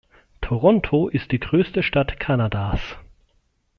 Toronto ist die größte Stadt Kanadas.